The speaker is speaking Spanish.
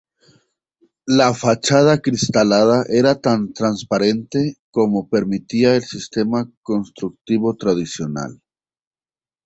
La fachada acristalada era tan transparente como permitía el sistema constructivo tradicional.